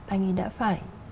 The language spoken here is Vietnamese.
anh ấy đã phải